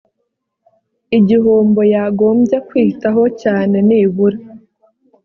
igihombo yagombye kwitaho cyane nibura